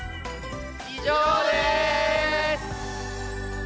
以上です！